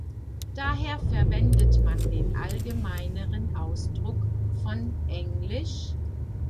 Daher verwendet man den allgemeineren Ausdruck von engl.